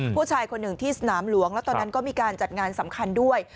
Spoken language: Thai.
ผู้ชายคนหนึ่งที่สนามหลวงแล้วตอนนั้นก็มีการจัดงานสำคัญด้วย